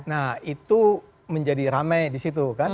nah itu menjadi rame di situ kan